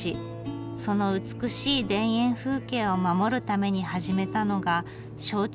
その美しい田園風景を守るために始めたのが焼酎造りだそうです。